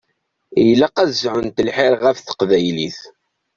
Ilaq ad sɛunt lḥir ɣef teqbaylit.